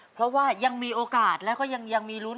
เพราะว่ายังมีโอกาสแล้วก็ยังมีลุ้น